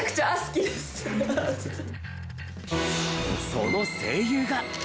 その声優が。